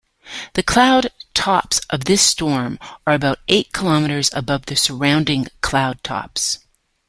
The cloud-tops of this storm are about eight kilometres above the surrounding cloud-tops.